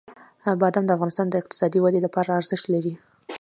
بادام د افغانستان د اقتصادي ودې لپاره ارزښت لري.